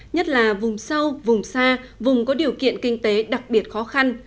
nhất là vùng sâu vùng xa vùng có điều kiện kinh tế đặc biệt khó khăn